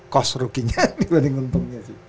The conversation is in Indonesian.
cost rookingnya dibanding untungnya sih